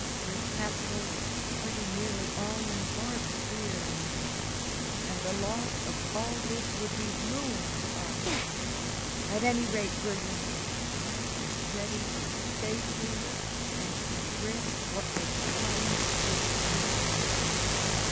Your capital is pretty nearly all embarked here now, and the loss of all this would be ruin to us. At any rate, William, I am ready to stay here and to risk what may come if you are.